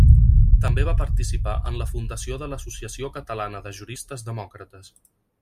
També va participar en la fundació de l'Associació Catalana de Juristes Demòcrates.